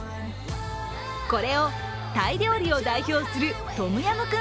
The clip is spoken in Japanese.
これをタイ料理を代表するトムヤムクン